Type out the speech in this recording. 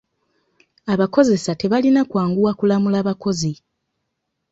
Abakozesa tebalina kwanguwa kulamula bakozi.